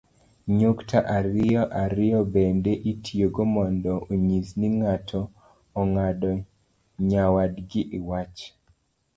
nyukta ariyo ariyo bende itiyogo mondo onyis ni ng'ato ong'ado nyawadgi iwach